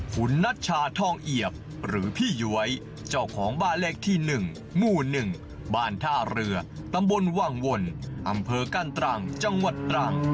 คุณนัชชาทองเอียบหรือพี่ย้วยเจ้าของบ้านเลขที่๑หมู่๑บ้านท่าเรือตำบลวังวนอำเภอกั้นตรังจังหวัดตรัง